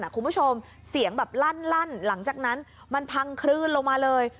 คุณผู้ชมเสียงแบบลั่นหลังจากนั้นมันพังคลื่นลงมาเลย